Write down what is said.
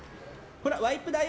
ほら、ワイプだよ。